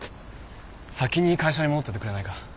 先に会社に戻っててくれないか？